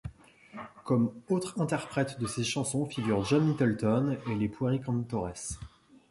Comme autres interprètes de ses chansons figurent John Littleton et les Pueri Cantores.